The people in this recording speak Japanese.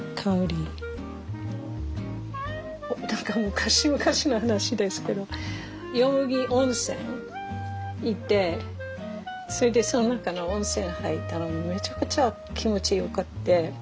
昔々の話ですけどヨモギ温泉行ってそれでその中の温泉入ったらめちゃくちゃ気持ちよくって。